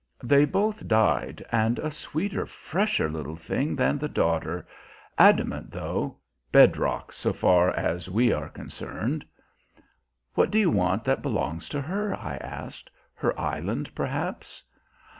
They both died, and a sweeter, fresher little thing than the daughter! Adamant, though bed rock, so far as we are concerned." "What do you want that belongs to her?" I asked. "Her island, perhaps?"